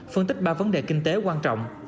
phân tích ba vấn đề kinh tế quan trọng